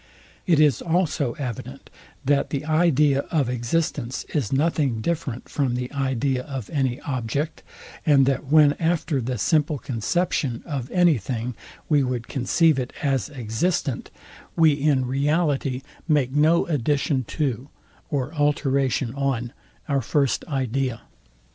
It is also evident, that the idea, of existence is nothing different from the idea of any object, and that when after the simple conception of any thing we would conceive it as existent, we in reality make no addition to or alteration on our first idea.